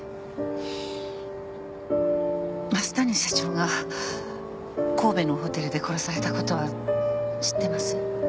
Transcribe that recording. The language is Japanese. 増谷社長が神戸のホテルで殺されたことは知ってます？